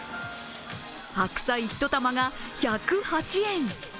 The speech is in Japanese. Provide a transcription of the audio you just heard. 白菜１玉が１０８円。